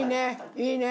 いいね！